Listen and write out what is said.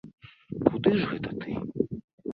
Куды ж гэта ты?